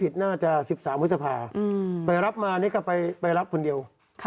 ปรึกษาวิทยาภาไปรับมานี่ก็ไปรับคนเดียว